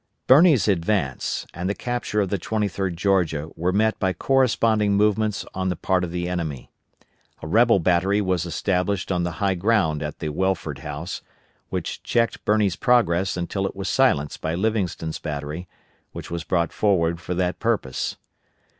Birney's advance, and the capture of the 23d Georgia were met by corresponding movements on the part of the enemy. A rebel battery was established on the high ground at the Welford House, which checked Birney's progress until it was silenced by Livingston's battery, which was brought forward for that purpose.